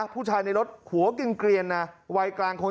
ผู้ชายในรถหัวกินเกลียนนะวัยกลางคน